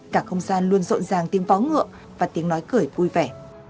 cả không gian luôn rộn ràng tiếng phó ngựa và tiếng nói cười vui vẻ